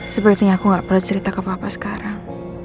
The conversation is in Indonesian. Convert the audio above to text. sepertinya aku gak pernah cerita ke papa sekarang